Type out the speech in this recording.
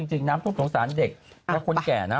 จริงน้ำต้นผงสารเด็กและคนแก่